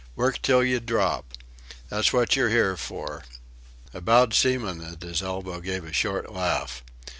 Work till you drop. That's what you're here for." A bowed seaman at his elbow gave a short laugh.